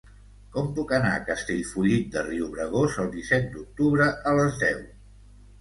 Com puc anar a Castellfollit de Riubregós el disset d'octubre a les deu?